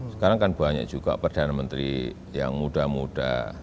sekarang kan banyak juga perdana menteri yang muda muda